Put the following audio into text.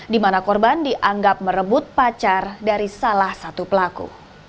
di mana korban dianggap merebut pacar dari salah satu pelaku